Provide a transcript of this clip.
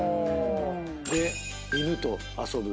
で犬と遊ぶ。